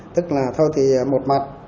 tức là thôi thì một mặt